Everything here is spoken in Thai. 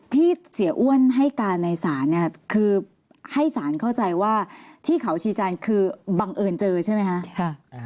ที่เสียอ้วนให้การในศาลเนี่ยคือให้สารเข้าใจว่าที่เขาชีจันทร์คือบังเอิญเจอใช่ไหมคะ